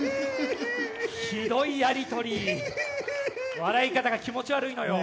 ひどいやりとりイヒヒヒ笑い方が気持ち悪いのよ